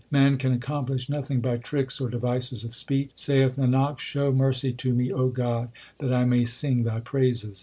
Man can accomplish nothing by tricks or devices of speech. Saith Nanak, show mercy to me, O God, that I may sing Thy praises.